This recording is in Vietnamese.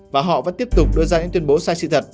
và họ vẫn tiếp tục đưa ra những tuyên bố sai sự thật